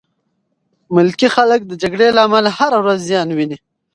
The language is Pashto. ملکي خلک د جګړې له امله هره ورځ زیان ویني.